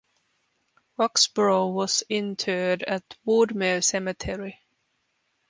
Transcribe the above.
Roxborough was interred at Woodmere Cemetery.